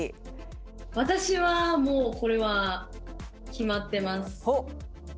私はもうこれは決まってます。